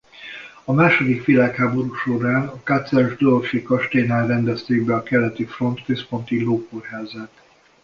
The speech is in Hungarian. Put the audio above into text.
A második világháború során a katzelsdorfi kastélynál rendezték be a keleti front központi lókórházát.